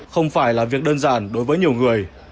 không phải là việc đơn giản đối với nhiều người